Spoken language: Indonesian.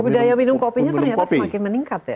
budaya minum kopinya ternyata semakin meningkat ya